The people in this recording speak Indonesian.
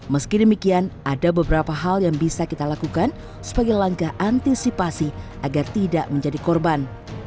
meski demikian ada beberapa hal yang bisa kita lakukan sebagai langkah antisipasi agar tidak menjadi korban